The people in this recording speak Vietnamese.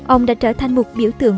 ông đã trở thành một biểu tượng